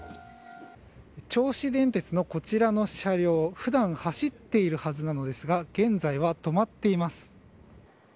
銚子電鉄のこちらの車両普段、走っているはずなのですが現在は止まっています。